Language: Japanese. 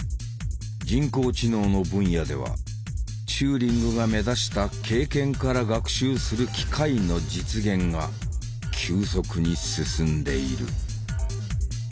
人工知能の分野ではチューリングが目指した「経験から学習する機械」の実現が急速に進んでいる。